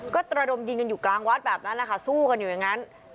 ก็ตระดมยิงกันอยู่กลางวัดแบบนั้นนะคะสู้กันอยู่อย่างนั้น